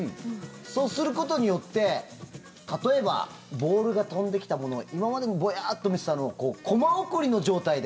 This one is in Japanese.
そうすることによって、例えばボールが飛んできたものを今まで、ぼやーっと見てたのをコマ送りの状態で。